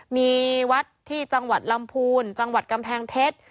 มีวัดที่จังหวัดลำพูนจังหวัดกำแพงเพชร